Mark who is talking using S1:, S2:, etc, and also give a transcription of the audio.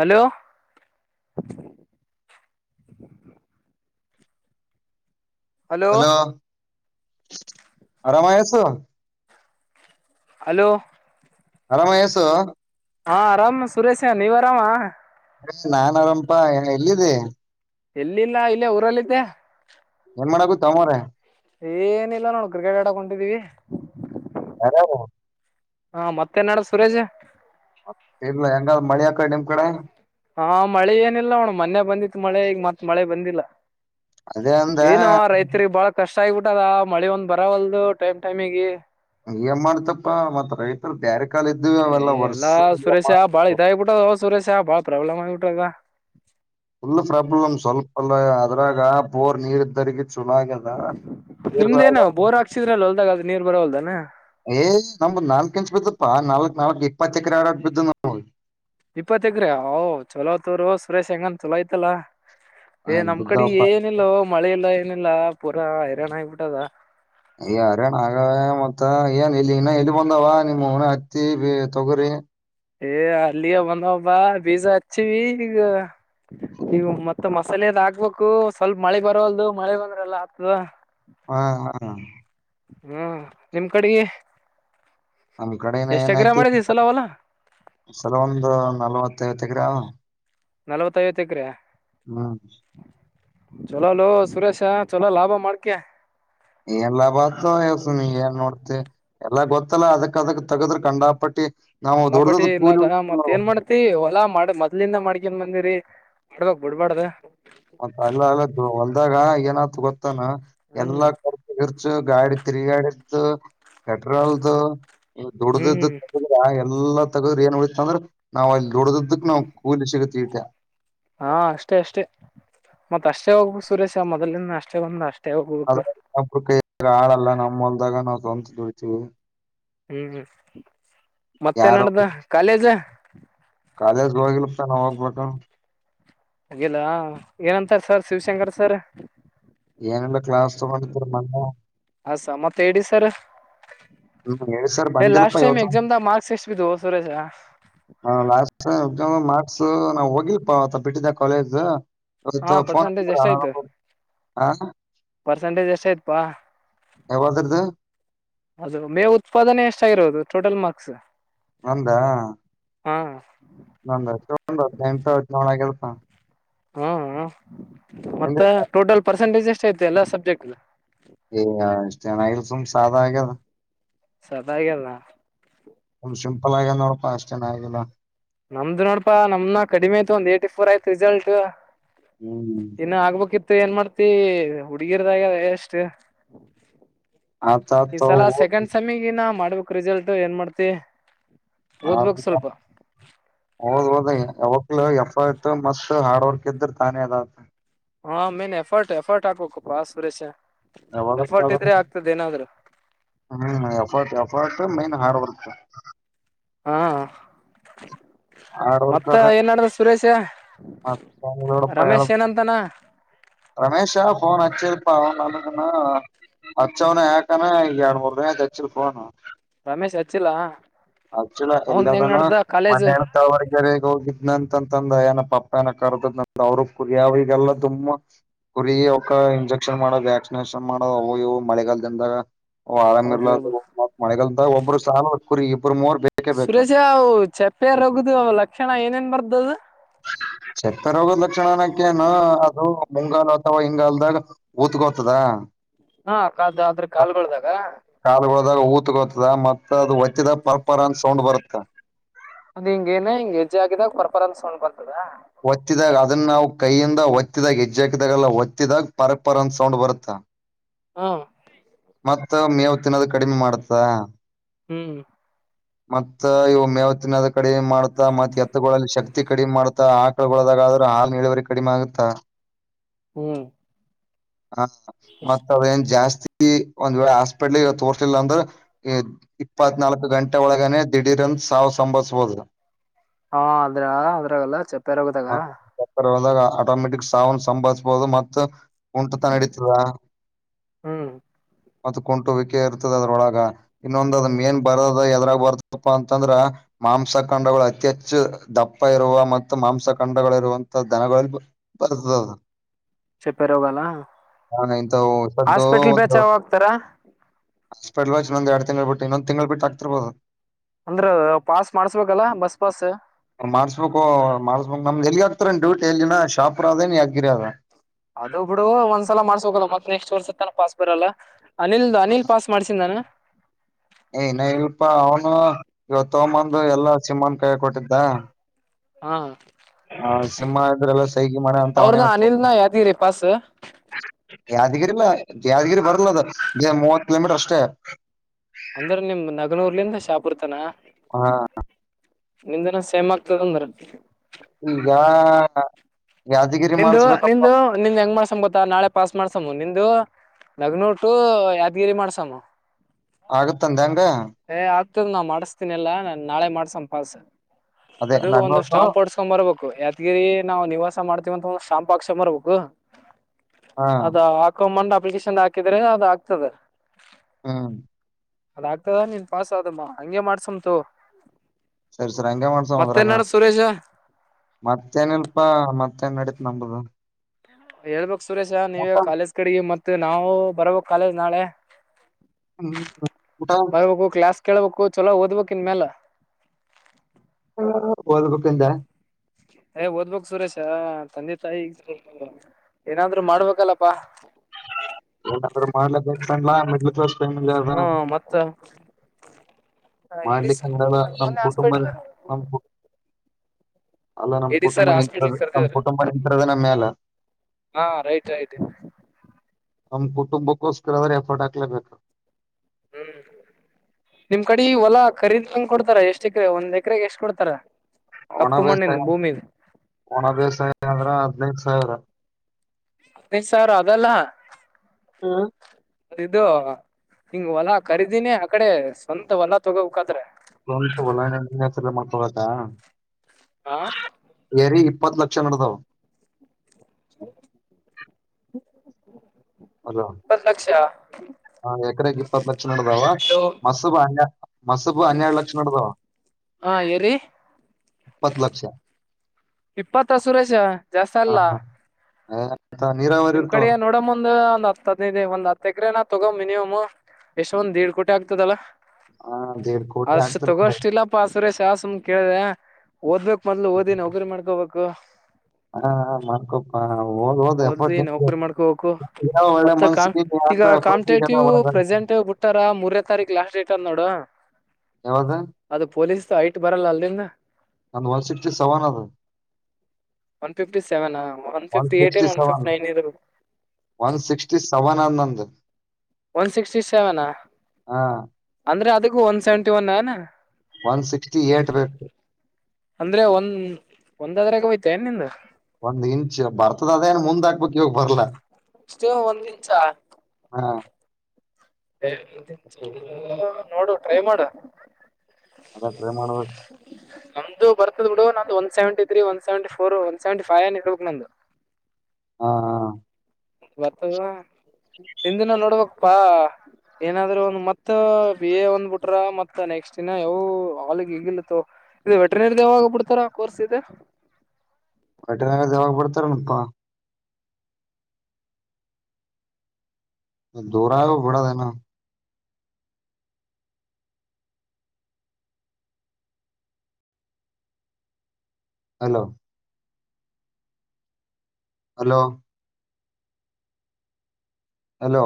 S1: Hello
S2: hello ಆರಾಮ ಆಸು
S1: hello
S2: ಅರಾಮಯಸು
S1: ಹಾ ಆರಾಮ್ ಸುರೇಶ ನೀವ್ ಆರಾಮ
S2: ಅ ನಾನ್ರಪಾ ಎಲ್ಲಿದ್ದ
S1: ಎಲ್ಲಿಲ್ಲ ಇಲ್ಲೇ ಊರಲ್ಲಿದ್ದ
S2: ಏನ್ ಮಾಡಕುತ್ತ ಮ್ರ
S1: ಏನಿಲ್ಲ ನೋಡು ಕ್ರಿಕೆಟ್ ಆಡ ಕುಟಿದೀವಿ
S2: ಬರಬ
S1: ಹಾ ಮತ್ತೇನ್ಡ ಸುರೇಶ
S2: ಸರ್ಲ ಹೆಂಗ ಮಳಿಯಕಡೆ ನಿಮ್ ಕಡೆ
S1: ಹಾ ಮಳೆ ಏನಿಲ್ಲ ಅವಣ ಮೊನ್ನೆ ಬಂದಿತ್ತು ಮಳೆ ಈಗ ಮತ್ ಮಳೆ ಬಂದಿಲ್ಲ
S2: ಅದೇ ಅಂದ
S1: ಏನು ರೈತರಿಗೆ ಬಾಳ ಕಷ್ಟ ಕಷ್ಟ ಆಗಬಿಟ್ಟದ ಮಳೆ ಒಂದ ಬರವಲ್ದು ಟೈಮ್ ಟೈಮಿಗೆ
S2: ಏನ್ ಮಾಡ್ತಪ್ಪಾ ಮತ್ ರೈತರು ಡ್ಯಾರೆಕ್ಟ್
S1: ಏಎಲ್ಲಾ ಸುರೇಶ್ ಯ ಬಾಳ ಇದ ಆಗಿಬಿಟದ ಸುರೇಶ್ ಯ ಬಾಳ ಪ್ರಾಬ್ಲಮ್ ಆಗಬಿಟದ
S2: ಉಳ್ಳು ಪ್ರಾಬ್ಲ್ ಸಲ್ಪಅದ್ರಾಗ ಪೋರ್ ನೀರು ತರಗಿ ಸುಲಾಗದಾ
S1: ನಿಮ್ದೇನು ಬೋರ್ ಹಾಕ್ಸಿದ್ರಲ್ಲ ಹೊಲ್ದಾಗ ಅದ್ ನೀರ್ ಬರವಲ್ದಾನ
S2: ಏ್ ನ ನಾಲ್ಕು ಎಂಚ್ ಬಿತಪ್ಪಾ ನಾಲ್ಕು ನಮಗೆ ಇಪ್ಪೆಕರೆ ಆರ ಅಬುದು
S1: ಇಪ್ಪತ್ಗ್ರ ್ ಚೊಲೋ ತೋರು ಸುರೇಶ್ ಹೆಂಗಂದ ಚಲೋ ಐತಲ್ಲಾ ಏ ನಮ್ ಕಡೆ
S2: ಬಿದ್ದಾವಪ್ಪ
S1: ಏನಿಲ್ಲೋ ಮಳೆ ಎಲ್ಲ ಏನಿಲ್ಲ ಪೂರಾ ಹೈರಾಣ ಆಗಬಿಟ್ಟದ
S2: ಾರೇನ ಆಗ ಮ ಮತ್ತ ಏನ್ ಇಲ್ಲಿ ಇನ್ನ ಎಲ್ಲಿ ಬಂದಾವ ನಿಮನ ಹತ್ತಿ ಬಿ ತೊಗರಿಿ
S1: ಎ ಅಲ್ಲಿಿಯ ಬಂದ ಬ ಪಜಾ ಅಚ್ಚ ನೀವು ಮತ್ತತ್ ಮಸಾಲೆದ್ ಆಕ್ಬೇಕು ಸ್ವಲ್ಪ ಮಳೆ ಬರಲ್ದು ಮಳೆ ಬಂದ್ರಲ್ಲ ಆಗ್ತದ
S2: ಹಾ ಹಾ
S1: ಹ್ಮ ನಿಮ್ ಕಡೆಗೆ
S2: ನಮ್ ಕಡೆನ
S1: ಎಷ್ಟ್ ಎಕರೆ
S2: ಏನಾಯ್ತಿ
S1: ಮಾಡಿದಿ ಸಲ ಹೊಲ
S2: ಸಲ ಒಂದು ನಲವತ್ತೈ ಗ್ರಾಮ
S1: ನಲವತ್ತೈಐವತ್ತುಕ್ರಾ
S2: ಹ್ಮ್
S1: ಚೊಲೋಲ ಸುರೇಶ ಚಲೋ ಲಾಭ ಮಾಡ್ಕೆ
S2: ಎಲ್ಲ ಬಾತ ಎಸು ನೀ ಏನ್ ನೋಡ್ತೆ ಎಲ್ಲ ಗೊತ್ತಲ್ಲ ಅದಕ್ ಅದಕ್ ತಗದ್ರ ಕಂಡಾಪಟ್ಟಿ ನಾವು
S1: ಅನ್ನಾಪಟ್ಟಿ
S2: ದೊಡ್ಡದ
S1: ಇಲ್ಲ
S2: ಕೂಲಿ
S1: ಮತ್ತತ್ ಏನ್ ಮಾಡ್ತಿ ಹೊಲಾ ಮಾಡ ಮೊದ್ಲಿಂದ ಮಾಡ್ಕನ್ ಮ ಂದಿರಿ ಬಿಡ್ಬಕ್ ಬಿಡ್ಬಾಡ್ದ
S2: ಮ ಅಲ್ಲ ಅಲ್ಲ ಹೊಲ್ದಾಗ ಏನತು ಗೊತ್ತಾನ
S1: ಹ್ಮ್
S2: ಎಲ್ಲಾ ಕರ್ ಗಾಡಿ ತ್ರಿ ಗಾಡ್ದು ಪೆಟ್ರೋಲ್ದು ದುಡ್ದ್ದ
S1: ಹ್ಮ್
S2: ಎುಲ್ಲಾ ತಗದ್ರ ಏನ್ ನೋಡಿತತ್ತ ಅಂದ್ರ ನಾವ್ ಅಲ್ಲಿ ನೋಡ್ದದಕ್ ನಾವ್ ಕೂಲಿ ಸಿಗುತ್ತಟ
S1: ಹಾ ಅಷ್ಟೇ ಅಷ್ಟೇ ಮತ್ತ ಅಷ್ಟೇ ಹೋಗ್ು ಸುರೇಶ್ ಮೊದಲಿಂದ ಅಷ್ಟೇ ಬಂದ ಅಷ್ಟೆ
S2: ಅ ಒ್ರ ಕೈ ಹಾಡಲ್ಲ ನಮ್ಮಲ್ದಾಗ ನಾವವು ತೊಂತಳ್ತಿೀವಿ
S1: ಹ್ಮ್ ಮತ್ತೆ ನಡ್ದ ಕಾಲೇಜ
S2: ಕಾಲೇಜಸ್ಗೆ ಹೋಗಲ್ಪ್ಪ ನಾವ ಹೋಗ್ಬೇಕ
S1: ಅಿಲ್ಲ ಏನಂತಾರ ಸರ್ ಶಿವಶಂಕರ್ ಸರ್
S2: ಏನಿಲ್ಲ ಕ್ಲಾಸ್ ತಗೊಂಡಿದ್ರ ಮೊನ್ನೆ
S1: ಹಸ ಮತ್ತೆ ಹೇಳ ಸರ್
S2: ಹ್ಮ್ ಹೇಳಸರ್
S1: ಏ
S2: ಬಂದಿಲ್ಲಪ್ಪ
S1: ಲಾಸ್ಟ್ ಟೈಮ್
S2: ಯವತ
S1: ಎಕ್ಸಾಮ್ದ ಮಾರ್ಕ್ಸ್ ಎಷ್ಟ ಬಿದ್ದು ಸುರೇಶ
S2: ಹಾ ಲಾಸ್ಟ್ ಮಾರ್ಕ್ಸ್ ನಾವ್ ಹೋಗಿಲ್ಪ ಆತ ಬಿಟ್ಟಿದ್ದ ಕಾಲೇಜ್
S1: ಹಾ
S2: ಫೋನ್
S1: ಪರ್ಸೆಂಟೇಜ್ ಎಷ್ಟ ಆಯ್ತು
S2: ಹ
S1: ಪರ್ಸೆಂಟೇಜ್ ಎಷ್ಟ ಆಯ್ತ್ಪಾ
S2: ಯ ಬತತ
S1: ಅದು ಮೇ ಉತ್ಪಾದನೆ ಎಷ್ಟಾಗಿರೋದು ಟೋಟಲ್ ಮಾರ್ಕ್ಸ್
S2: ನಂದ
S1: ಹ್ಮ
S2: ನ ಚ ನಂತ ನೋಾಗಲ್ಪ್ಪ
S1: ಹ್ಮ್ ಮತ್ತೆ ಟೋಟಲ್ ಪರ್ಸೆಂಟೇಜ್ ಎಷ್ಟ ಐತೆ ಎಲ್ಲ ಸಬ್ಜೆಕ್ಟ್
S2: ಏಯ ಇಷ್ಟು ಜನ ಇಲ್ ಸುಮ್ ಸಾದ ಆಗ್ಯದ
S1: ಸದಾಗಲ್ಲ [inaudible]
S2: ಆಗ್ಯಾನ ನೋಡಪಾ ಅಷ್ಟೇನ ಆಗಿಲ್ಲ.
S1: ನಮ್ದ ನೋಡಪಾ ನಮ್ನ ಕಡಿಮೀ ಐತಿ ಒಂದ ಏಟಿ ಫೋರ್ ಆಯತ ರಿಸಲ್ಟ್.
S2: ಹ್ಮ್
S1: ದನ್ನ ಆಗ್ಬೇಕಿತ್ತು ಮ ಏನ್ ಮಾಡ್ತಿ ಹುಡುಗಿರ್ದಾಗ ಎಷ್ಟು
S2: ಆತ ಆತ
S1: ಈಸಲ
S2: ಓದ್
S1: ಸೆಕೆಂಡ್ ಸಮಿಗಿನ ಮಾಡ್ಬೇಕು ರಿಸಲ್ಟ್ ಏನ್ ಮಾಡ್ತಿ
S2: ಹ
S1: ಓದ್ಬೇಕ್ ಸ್ವಲ್ಪ
S2: ಹೌದ ಹೌದಲ ತು ಮಸ್ತ್ ಹಾರ್ಡ್ ವರ್ಕ್ ಇದ್ದ್ರೆ ತಾನೇ ಅದ
S1: ಹಾ ಮೇನ್ ಎಫರ್ಟ್ ಎಫರ್ಟ್ ಆೋಖೂಪ ಆಾಸುರೆಸ
S2: ಯ ಹ್ಮಫ ಎಫ ಮೈನ್ ಹಾರ್ರ್ [inaudible]
S1: ಹ್ಞಾ.
S2: ಆರ್
S1: ಮತ್ತ
S2: ವರ್ಕರ್
S1: ಏನ ನಡದತ ಸುರೇಶ
S2: ನೋಡಪ್ಪ ಹೇಳ
S1: ರಮೇಶ್ ಏನಂತಾನ.
S2: ರಮೇಶ ಫೋನ್ ಹಚ್ಚಿಲ್ಪಾ ಅವ ನನಗನ ಹಚ್ಚವನ ಯಾಕನ ಈಗ ಯಾಡ ಮೂರ ದಿನ ಆಯತ ಹಚ್ಚಿಲ್ಲ ಫೋನ್
S1: ರಮೇಶ್ ಹಚ್ಚಿಲ್ಲ.
S2: ಹಚ್ಚಿಲ್ಲ ಎಲ್ಲ
S1: ಅವನ್ ಹೆಂಗ್
S2: ಅದನೋ
S1: ನಡ್ದ
S2: ಮನ
S1: ಕಾಲೇಜ್
S2: ಏನೋ ತಾವರೆಕೆರಿಗ ಹೋಗಿದ್ನ ತಂತ ಅಂದ ಏನ ಪಪ್ಪ ಏನ ಕರ್ದಂದ ಅವರು ಕುರಿಯವರಿಗೆಲ್ಲ ತುಮ್ಮ ಕುರಿ ಅವಕ ಇಂಜೆಕ್ಷನ್ ಮಾಡೋ ವ್ಯಾಕ್ಸಿನೇಷನ್ ಮಾಡೋ ಅವು ಇವು ಮಳೆಗಾಲದಿಂದ ಓ ಆರಾಮ ಇರ್ಲಾ
S1: ಹೌದೌದು
S2: [unintelligible] ಒಬ್ಬರ ಸಾಲ ಕುರಿ ಇಬ್ರು ಮೂವರ್ ಬೇಕೇ ಬೇಕು
S1: ಸುರೇಶ ಅವ ಚಪ್ಪೆ ರೊಗ್ದ ಲಕ್ಷಣ ಏನೇನ್ ಬರ್ತದ.
S2: ಸೆತ್ತ ರೋಗದ ಲಕ್ಷಣಅನ್ನಕ ಏನ್ ಅದು ಮುಂಗಾಲ ಅಥವಾ ಹಿಂಗಲ್ದಾಗ ಊತ್ಗೋತದ.
S1: ಹ್ಞಾ ಕ ಆದ್ರ ಕಾಲುಗಳದಾಗ
S2: ಕಾಲುಗೊಳದಾಗ ಊತ್ಗೋತದ ಮತ್ತ ಅದ ಒತ್ತಿದಾಗ ಪರ್ಪರ್ ಅಂತ ಸೌಂಡ್ ಬರತ್ತ.
S1: ಅದ ಹಿಂಗ ಏನ ಹೆಜ್ಜೆ ಹಾಕಿದಾಗ ಪರ್ಪರ ಅಂತ ಸೌಂಡ್ ಬರ್ತದ.
S2: ಒತ್ತಿದಾಗ ಅದನ್ನ ನಾವ ಕೈಯಿಂದ ಒತ್ತಿದಾಗ ಹೆಜ್ಜಿಹಾಕಿದಾಗಲ್ಲ ಒತ್ತಿದಾಗ ಪರ ಪರ ಅಂತ ಸೌಂಡ್ ಬರುತ್ತ. ಹ
S1: ಹ್ನ.
S2: ಮತ್ತ ಮೇವ ತಿನ್ನದ ಕಡಿಮ ಮಾಡ್ತದ.
S1: ಹ್ಮ.
S2: ಮತ್ತ ಇವ ಮೇವತಿನ್ನದ ಕಡೆ ಮಾಡ್ತಾ ಮತ್ತ ಎತ್ತಗಳಲ್ಲಿ ಶಕ್ತ ಕ್ತಿ ಕಡಿಮ ಮಾಡತ್ತಾ ಆಕಳಗೊಳದಾಗರೂ ಹಾಲ ಇಳುವರಿ ಕಡಿಮ ಆಗತ್ತಾ.
S1: ಹ್ಮ.
S2: ಹಾ ಮತ್ತ ಅದೇನ್ ಜಾಸ್ತಿ ಈ ಒಂದ ವೇಳೆ ಹಾಸ್ಪಿಟಲ್ಗ ತೋರ್ಸಲ್ಲ ಅಂದ್ರೆ ಇಪ್ಪತ್ನಾಲ್ಕ ಗಂ ಟ ಒಳಗನೆ ದಿಢೀರನ್ ಸಾವ್ ಸಂಭಸ್ಬದ.
S1: ಹಾ ಅದ್ರ ಅದ್ರಾಗಲ್ಲ
S2: ಹ
S1: ಚಪ್ಪರೋಗದಾಗ
S2: ಹೋದಾಗ ಆಟೋಮೆಟಿಕ್ ಸಾವ ಸಂಭವಸಬದು ಮತ್ತ್ ಕುಂಟತಾ ನಡೀತದ.
S1: ಹ್ಮ್
S2: ಅದ ಕುಂಟುವಿಕೆ ಇರ್ತದ ಅದ್ರೊಳಗ ಇನ್ನೊಂದ ಅದ್ನ ಮೇನ್ ಬರ ಎದರಾಗ ಬರ್ತಪ್ಪ ಅಂತಂದ್ರ ಮಾಂಸಖಂಡಗಳ ಅತಿ ಹೆಚ್ಚು ದಪ್ಪ ಇರುವ ಮತ್ತು ಮಾಂಸ ಕ ಖಂಡಗಳ ಇರುವಂತ ದನಗಳ ಬರ್ತದ ಅದ.
S1: ಚಪರ ಅವಾಲ
S2: ಅವ್ನ್ ಎಂತಹೋ ಸದ್ದು ಅ
S1: ಹಾಕ್ತಾರ
S2: [unintelligible] ಎಡ ತಿಂಗಳ ಬಿಟ್ಟ ಇನ್ನೊಂದ ತಿಂಗಳು ಬಿಟ್ಟ ಹಾಕ್ತಿರಬೋದ.
S1: ಅಂದ್ರ ಪಾಸ್ ಮಾಡ್ಸ್ಬೇಕಲ್ಲ ಬಸ್ ಪಾಸ್
S2: ಮಾರ್ಸಬೇಕ ಮಾರಸ ಬೇಕ ಎಲ್ಲಿ ಹಾ ಹತ್ರ ಡ್ಯೂಟಿ ಎಲ್ಲಿನ ಶಾಪುರ ಅದ ಏನ್ ಯಗಿರದ
S1: ಅದು ಬಿಡು ಒಂದ್ಸಲ ಮಾಡ್ಸ ಬೇಕಲ್ಲ ಮತ್ತ ನೆಕ್ಸ್ಟ್ ವರ್ಷ ತನ ಪಾಸ್ ಬರಲ್ಲ. ಅನಿಲ್ದ ಅನಿಲ್ ಪಾಸ್ ಮಾಡ್ಸಿದನ
S2: ಹ ಇವತ್ತ ತುಂಬೊಂದ ಎಲ್ಲಾ ಸಿಮ್ಮ ಕೈಯಾಗ ಕೊಟ್ಟಿದ್ದ.
S1: ಹ್ಞಾ.
S2: ಹ್ಞಾ ಸಿಂಹ ಇದ್ರೆಲ್ಲ ಸೈಗಿ ಮಾಡಿ ಅಂತವನೇ
S1: ಅವ್ರನ ಅನಿಲ್ನ ಯಾದಗಿರಿ ಪಾಸ್
S2: ಯಾದಗಿರಿಲ್ಲ ಯಾದಗಿರಿ ಬರ್ಲದ ಮೂವತ್ ಕಿಲೋಮೀಟರ್ ಅಷ್ಟ
S1: ಅಂದ್ರ ನಿಮ್ಮ ನಗಲುರ್ಲಿಂದ ಶಾಪುರ್ತಾನ.
S2: ಹ್ಞಾ.
S1: ನಿಮ್ದನೋ ಸೇಮ್ ಆಗ್ತದಂದ್ರ
S2: ಈಗಾ
S1: ನಿಂದು ನಿಂದು ನಿಂದ ಹೆಂಗ ಮಾಸೋಣ ಗೊತ್ತ ನಾಳೆ ಪಾಸ್ ಮಾಡ್ಸಮ್ಮ ನಿಂದು ನಗ್ನೂರ್ ಟು ಯಾದಗಿರಿ ಮಾಡ್ಸನೂ ಪಾ
S2: ಆಗತ್ಂದ ಒಂದ್ ಎಂಡ್
S1: ಆಗ್ತದ ನಾ ಮಾಡಿಸತೀನಲ್ಲಾ ನಾಳೆ ಮಾಡಸ ಪಾಸ್
S2: ಅದೇ
S1: ಅದು ಒಂದು
S2: ನಗ್ನೋಟು
S1: ಸ್ಟಾಂಪ್ ಓಡ್ಸ್ಕೊಂಡ್ ಬರ್ಬೇಕು ಯಾದಗಿರಿ ನಾವು ನಿವಾಸ ಮಾಡ್ತೀವಂತ ಒಂದ್ ಶಂಪಾಕ್ಷ ಬರ್ಬೇಕು
S2: ಹಾ
S1: ಅದ ಹಾಕೊಂಬಂಡ್ ಅಪ್ಲಿಕೇಶನ್ ಹಾಕಿದ್ರೆ ಅದ ಹಾಕ್ತದೆ
S2: ಹ್ಮ
S1: ಅದಾಗಗ್ತದ ನೀನ್ ಪಾಸ್ ಆದಮ್ಮ ಹಂಗೆ ಮಾಡ್ಸಮಂತು
S2: ಸರಿ ಸರಿ ಹಂಗ ಮಾಡ್ಸ ಅಂದ್ರಾಗ ಮತ್ತೇನ ಇಲ್ಪಾ ಮತ್ತನ್ ನಡತ ನಂಬದ
S1: ಹೇಳ್ಬಕ್ ಸುರೇಶ ನೀವೇ ಕಾಲೇಜ್ ಕಡೆಗೆ ಮತ್ತ ನಾವು ಬರ್ಬಕ್ ಕಾಲೇಜ್ ನಾಳೆ
S2: ಹ್ಮ್ ಊಟ
S1: ಬರ್ಬೇಕು ಕ್ಲಾಸ್ ಕೇಳ್ಬೇಕು ಚೊಲೋ ಓದ್ಬೇಕ್ ಇನ್ ಮೇಲ
S2: [unintelligible]
S1: ಏ ಓದ್ಬೇಕ್ ಸುರೇಶ ತಂದೆ ತಾಯಿ ಈಗ ಏನಾದ್ರು ಮಾಡ್ಬೇಕಲ್ಲಪ್ಪಾ
S2: [unintelligible] ಮಿಡ್ಲ್ ಕ್ಲಾಸ್
S1: ಹ್ಮ್ ಮತ್ತ
S2: ಮಾಡ್ಲಿಕ್ಕೆಂದಲ್ಲ ನಮ್
S1: ಮೊನ್ನೆ
S2: ಕುಟುಂಬ
S1: ಹಾಸ್ಪಿಟ್ಲ್
S2: ನಮ್ ಕು ಅಲ್ಲ ನಮ್
S1: ಎಡಿ
S2: ಕುಟುಂಬ
S1: ಸರ್
S2: ನಿಂತ
S1: ಹಾಸ್ಪಿಟ್ಲ್
S2: ನಮ್
S1: ಕರ್ದವ್ರ
S2: ಕುಟುಂಬ ನಿಂತದ ನಮ್ಮ ಮ್ಯಲ್ಲ
S1: ಹಾ ರೈತ ಆಯ್ತ
S2: ನಮ್ ಕುಟುಂಬಕ್ಕೋಸ್ಕರ ಅವ್ರೆ ಎಫರ್ಟ್ ಹಾಕಿದ್ರು
S1: ಹ್ಮ್ ನಿಮ್ ಕಡೆ ಈ ಹೊಲ ಖರೀಗ್ ಕೊಡ್ತಾರ ಎಷ್ಟ್ ಎಕರೆ ಒಂದ್ ಎಕರೆಗೆ ಎಷ್ಟ್ ಕೊಡ್ತಾರ
S2: ಒಣ
S1: ಕಪ್ಪು
S2: ಬೇಸಾಯ
S1: ಮಣ್ಣಿನ ಭೂಮಿದ
S2: ಒಣ ಬೇಸಾಯ ಅಂದ್ರ ಹದನೈದು ಸಾವಿರ
S1: ಸಾರ ಅದಲ್ಲ
S2: ಹಾ
S1: ಇದು ಹಿಂಗ ಹೊಲ ಖರೀದಿನಿ ಆ ಕಡೆ ಸ್ವಂತ ಹೊಲ ತಗೋಬೇಕಾದ್ರೆ
S2: [unintelligible]
S1: ಹ
S2: ರಿ ಇಪ್ಪತ್ತು ಲಕ್ಷ ನಡೆತವು
S1: [unintelligible]
S2: ಅಲ್ಲ
S1: ಇಪ್ಪತ್ ಲಕ್ಷ
S2: ಹ ಎಕರೆಗೆ ಇಪ್ಪತ್ ಲಕ್ಷ ನಡದಾವ ಮಸ್ [unintelligible] ಮಸಬು ಹನ್ನೆರಡು ಲಕ್ಷ ನಡದ
S1: ಹಾ ಎರಿ
S2: ಇಪ್ಪತ್ ಲಕ್ಷ
S1: ಇಪ್ಪತ್ತ ಸುರೇಶ ಜಾಸ್ತಿ ಅಲ್ಲ
S2: ಹಾ
S1: ನಿಮ್ ಕಡೆ ನೋಡ ಮುಂದ ಒಂದ್ ಹತ್ ಹದನದೆ ಒಂದ್ ಹತ್ತ ಎಕರೆನ ತಗೋ ಮಿನಿಮಮ್ ಎಷ್ಟ ಒಂದ್ ಎರಡ್ ಕೋಟಿ ಆಗ್ತದಲ್ಲಾ
S2: ಹ ದೇಡ್ ಕೋಟಿ
S1: ಅಷ್ಟು
S2: ಆಗ್ತಿರ್ತಾವ
S1: ತಗೋಷ್ಟಿಲ್ಲ ಪಾ ಸುರೇಶ್ ಚ ಸುಮ ಕೇಳಿದೆ ಓದ್ಬೇಕಕ್ ಮೊದ್ಲು ಓದಿ ನೌಕರಿ ಮಾಡ್ಕೋಬೇಕು
S2: ಹಾ ಹಾ ಮಾಡ್ಕೊ ಹಓದ್ ಹೋದು ಎಪ್ಪ
S1: ಓದ್ರಿ ನೌಕರಿ ಮಾಡ್ಕೋಬೇಕು
S2: ಒಳ್ಳೆ
S1: ಮತ್ತ ಕಾ
S2: ಮನ್ಸಿಗೆ
S1: ಈಗ
S2: ಎಪ್ಪ ಜನ
S1: ಕಾಂಪಿಟೇಟಿವ್
S2: [unintelligible]
S1: ಪ್ರೆಸೆಂಟ್ ಬಿಟ್ಟಾರ ಮೂರೇ ತಾರೀಕ್ ಲಾಸ್ ಡೇಟ್ ಅದ ನೋಡು
S2: ಯಾವ್ದ
S1: ಅದು ಪೊಲೀಸ್ ಐಟ್ ಬರಲ್ಲ ಅಲ್ಲಿಂದ
S2: ಅಂದು one sixty seven
S1: one fifty ಸೆವೆನಾ one fifty eight
S2: sixty
S1: one fifty
S2: seven
S1: nine ಇದು
S2: one sixty seven Anand
S1: one sixty ಸೆವೆನಾ
S2: ಹಾ
S1: ಅಂದ್ರೆ ಅದಕ್ಕೂ ಒನ್ ಸೆವೆಂಟಿ ಒನ್ ನಾ
S2: ಒನ್ ಸಿಕ್ಸ್ಟಿ ಏಟ್ ಬೇಕು
S1: ಒಂದಾದ್ರಾಗ ಹಯ್ತಾ ಇ ನಿಂದು
S2: ಒಂದ್ ಇಂಚ್ ಬರ್ತದ ಅದೇ ಏನ್ ಮುಂದ ಹಕ್ಬೇಕಕ್ ಇವಾಗ ಬರ್ಲ
S1: ಇಷ್ಟೇ ಒಂದ್ ಇಂಚ
S2: ಹಾ
S1: ನೋಡು ಟ್ರೈ ಮಾಡು ಹ
S2: ಅದ ಟ್ರೈ ಮಾಡ್ಬೇಕು
S1: ನಮ್ದು ಬರ್ತದ್ ಬಿಡು ನಂದು one seventy three one seventy four one seventy five ಅನ್ ಇಡ್ಬೇಕು ನಂದು
S2: ಹಾ ಹಾ
S1: ಬರ್ತದವಾ ತಿಿಂದಿನ ನೋಡ್ಬೇಕಪ್ಪಾ ಏನಾದ್ರೂ ಒಂದ ಮತ್ತ ಬಿ ಎ ಒಂದ್ಬಿಟ್ರ ಮತ್ ನೆಕ್ಸ್ಟ್ ದಿನ ಯಾವ ಅವಳಿಗೆ ಹಗಿಲತ್ತ ಇದು ವೆಟ್ರನರಿ ಯಾವಾಗ ಬಿಡ್ತಾರ ಕೋರ್ಸ್ ಇದೆ
S2: ವಟನ ಜಾವಾಗ ಬಡ್ತಾರೆ ನಪ್ಪಾ ದೂರಾದಿನ್ ಬಿಡು ನಾ ಹಲೋ ಹಲೋ ಹಲೋ